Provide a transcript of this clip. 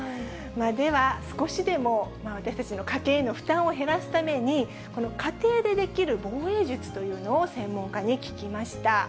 では、少しでも私たちの家計への負担を減らすために、この家庭でできる防衛術というのを専門家に聞きました。